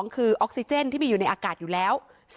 คือออกซิเจนที่มีอยู่ในอากาศอยู่แล้ว